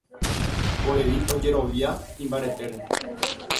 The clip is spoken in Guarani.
Mborevi ojerovia imbaretére.